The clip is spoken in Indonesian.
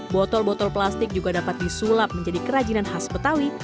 botol botol plastik juga dapat disulap menjadi kerajinan khas betawi